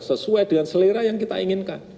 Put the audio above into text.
sesuai dengan selera yang kita inginkan